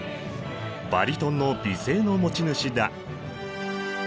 バリトンの美声の持ち主だ！